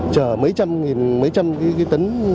chở mấy trăm tấn